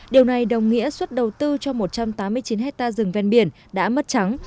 điều này đồng nghĩa suất đầu tư cho một trăm tám mươi chín hectare rừng ven biển đã mất trắng